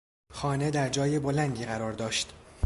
خانه در جای بلندی قرار داشت.